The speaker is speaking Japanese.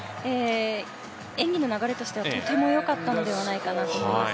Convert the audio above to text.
演技の流れとしてはとても良かったのではないかと思います。